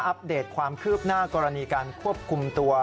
เดตความคืบหน้ากรณีการควบคุมตัว